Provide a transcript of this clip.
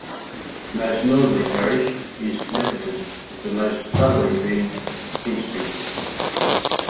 The most northerly parish is Mapperton with the most southerly being Henstridge.